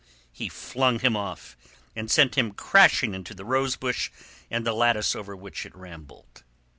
He flung him off, and sent him crashing into the rosebush and the lattice over which it rambled.